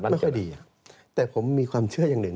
ไม่ค่อยดีแต่ผมมีความเชื่ออย่างหนึ่ง